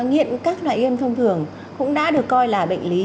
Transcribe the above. nghiện các loại y thông thường cũng đã được coi là bệnh lý